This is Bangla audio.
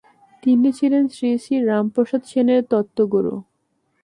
তিনি ছিলেন শ্রীশ্রী রামপ্রসাদ সেনের তন্ত্রগুরু।